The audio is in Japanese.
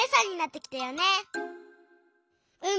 うん。